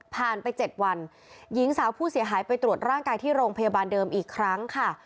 ไป๗วันหญิงสาวผู้เสียหายไปตรวจร่างกายที่โรงพยาบาลเดิมอีกครั้งค่ะ